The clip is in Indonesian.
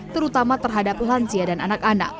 terutama terhadap lansia dan anak anak